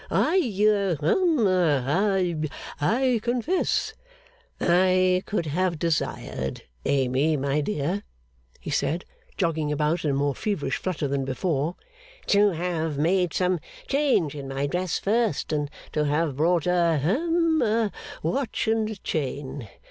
'I hum ha I confess I could have desired, Amy my dear,' he said, jogging about in a more feverish flutter than before, 'to have made some change in my dress first, and to have bought a hum a watch and chain.